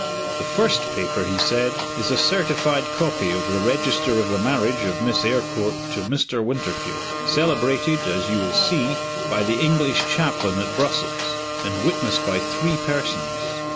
"The first paper," he said, "is a certified copy of the register of the marriage of Miss Eyrecourt to Mr. Winterfield, celebrated (as you will see) by the English chaplain at Brussels, and witnessed by three persons.